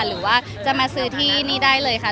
หรือว่าจะมาซื้อที่นี่ได้เลยค่ะ